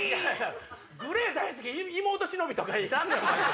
「ＧＬＡＹ大好き妹忍」とかいらんねん。